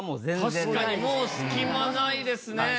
確かにもう隙間ないですね。